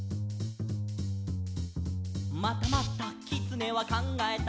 「またまたきつねはかんがえた」